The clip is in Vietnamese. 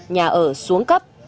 nhà ở xuống cấp